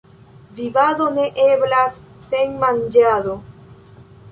Vivado ne eblas sen manĝado.